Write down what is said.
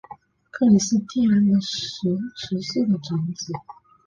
克里斯蒂安十世的长子。